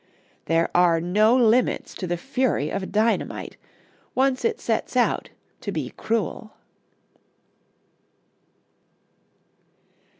There are no limits to the fury of dynamite, once it sets out to be cruel.